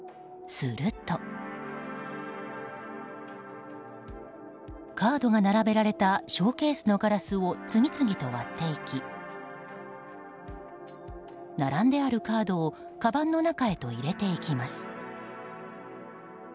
すると、カードが並べられたショーケースのガラスを次々と割っていき並んであるカードをかばんの中へといれていきます。